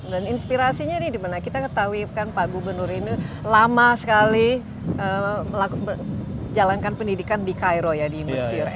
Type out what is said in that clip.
dan inspirasinya dimana kita ketahui kan pak gubernur ini lama sekali jalankan pendidikan di cairo ya di mesir